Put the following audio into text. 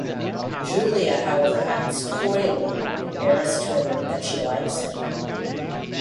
Julia, however, acts coyly, embarrassed to admit that she likes him.